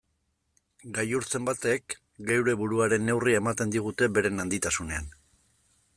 Gailur zenbaitek geure buruaren neurria ematen digute beren handitasunean.